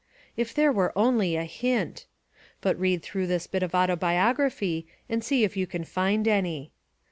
If there were only a hint! But read through this bit of autobiography and see if you can find any.